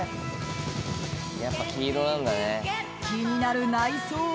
［気になる内装は］